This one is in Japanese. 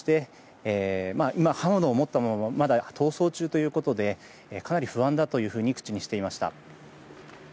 今、刃物を持ったまま逃走中ということでかなり不安だと口にしていました。